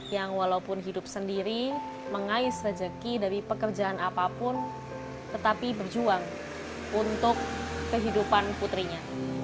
yang walaupun hidup sendiri mengais rejeki dari pekerjaan apapun tetapi berjuang untuk kehidupan putrinya